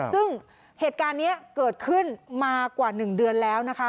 ซึ่งเหตุการณ์นี้เกิดขึ้นมากว่า๑เดือนแล้วนะคะ